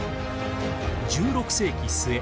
１６世紀末